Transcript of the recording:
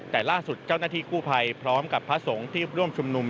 แต่ล่าสุดเจ้าหน้าที่กู้ภัยพร้อมกับพระสงฆ์ที่ร่วมชุมนุม